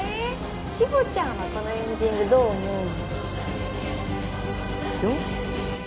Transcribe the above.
志法ちゃんはこのエンディングどう思うよ？